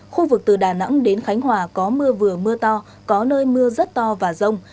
khu vực từ đà nẵng đến khánh hòa có mưa vừa mưa to có nơi mưa rất to và rông